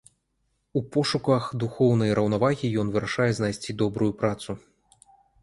У пошуках духоўнай раўнавагі ён вырашае знайсці добрую працу.